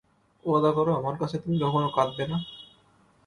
ওয়াদা করো আমার কাছে তুমি কখনো কাঁদবে না।